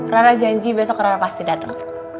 rar janji besok rar pasti dateng